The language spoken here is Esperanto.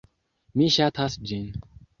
Mi ŝatas ĝin